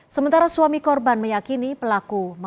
sementara suami korban meyakini pelaku berada di dalam koper